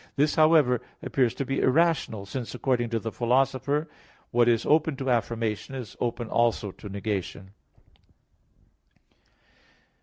This, however, appears to be irrational; since, according to the Philosopher (Peri Herm. ii), what is open to affirmation, is open also to negation.